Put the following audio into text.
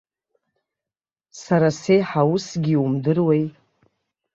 Сара сеиҳа усгьы иумдыруеи.